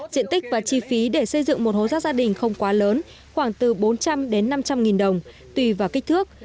diện tích và chi phí để xây dựng một hố rác gia đình không quá lớn khoảng từ bốn trăm linh đến năm trăm linh nghìn đồng tùy vào kích thước